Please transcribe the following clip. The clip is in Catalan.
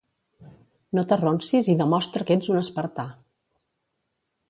No t'arronsis, i demostra que ets un espartà!